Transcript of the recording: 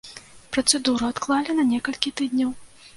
Працэдуру адклалі на некалькі тыдняў.